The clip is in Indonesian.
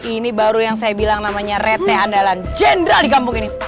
ini baru yang saya bilang namanya rete andalan jenderal di kampung ini